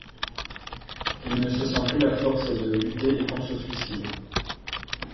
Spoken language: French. Il ne se sent plus la force de lutter et pense au suicide.